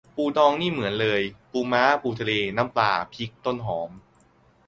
ปูดองนี่เหมือนเลย ปูม้า ปูทะเล น้ำปลา พริก ต้นหอม